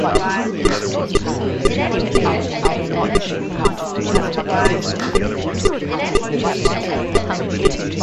Following the season, he signed as a free agent with the San Francisco Giants.